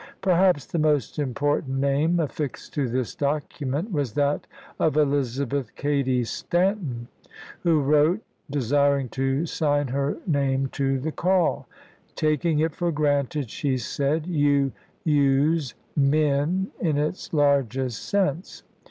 Perhaps the most important name af fixed to this document was that of Elizabeth Cady Stanton, who wrote, desiring to sign her name to the call ;" taking it for granted," she said, " you use 'men' in its largest sense."